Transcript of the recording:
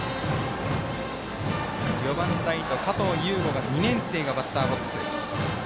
４番ライト、加藤右悟２年生がバッターボックス。